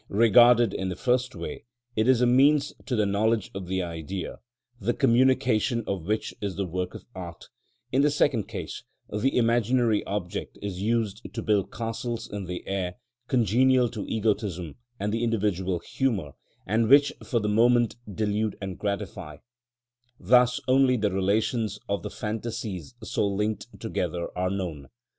Regarded in the first way, it is a means to the knowledge of the Idea, the communication of which is the work of art; in the second case, the imaginary object is used to build castles in the air congenial to egotism and the individual humour, and which for the moment delude and gratify; thus only the relations of the phantasies so linked together are known.